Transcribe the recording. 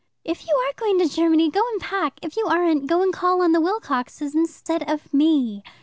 "If you are going to Germany, go and pack; if you aren't, go and call on the Wilcoxes instead of me."